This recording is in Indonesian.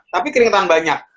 tapi keringetan banyak